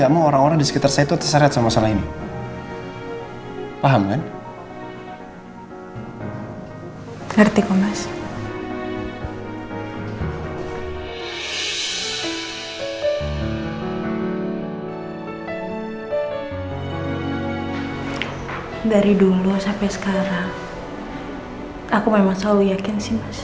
makanya aku cinta banget sama kamu kan